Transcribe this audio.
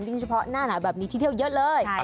เฉพาะหน้าหนาวแบบนี้ที่เที่ยวเยอะเลย